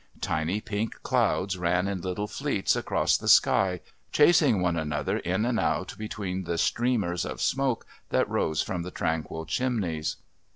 Tiny pink clouds ran in little fleets across the sky, chasing one another in and out between the streamers of smoke that rose from the tranquil chimneys.